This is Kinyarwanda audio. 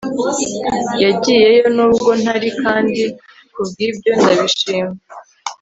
yagiyeyo nubwo ntari kandi kubwibyo ndabishima